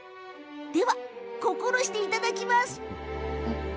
心していただきます！